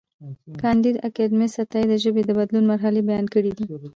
کانديد اکاډميسن عطايي د ژبې د بدلون مرحلې بیان کړې دي.